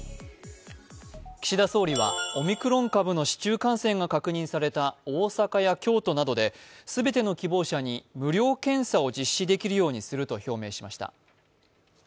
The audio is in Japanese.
岸田総理はオミクロン株の市中感染が確認された大阪や京都などで全ての希望者に無料検査を実施できるようにすると表明しました。